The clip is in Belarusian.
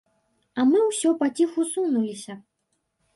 А мы ўсё паціху сунуліся.